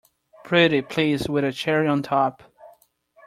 Pretty please with a cherry on top!